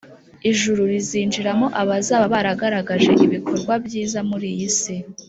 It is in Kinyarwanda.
Ijuru rizinjiramo abazaba baragaragaje ibikorwa byiza muri iyi isi